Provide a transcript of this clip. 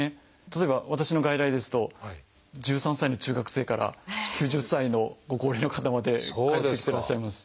例えば私の外来ですと１３歳の中学生から９０歳のご高齢の方まで通ってきてらっしゃいます。